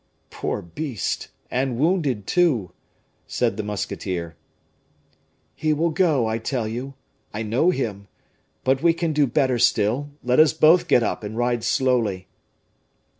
"Poor beast! and wounded, too?" said the musketeer. "He will go, I tell you; I know him; but we can do better still, let us both get up, and ride slowly."